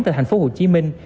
tại thành phố hồ chí minh